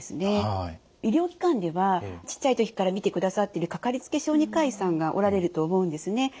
医療機関ではちっちゃい時から診てくださってるかかりつけ小児科医さんがおられると思うんですね。